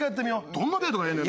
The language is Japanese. どんなデートがええねん？